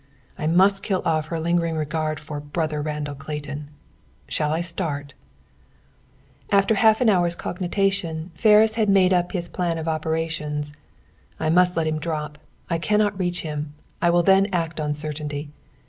I must kill off her lingering regard for 'Brother Randall Clayton!' Shall I start?" After half an hour's cogitation, Ferris had made up his plan of operations. "I must let him drop! I cannot reach him. I will then act on a certainty.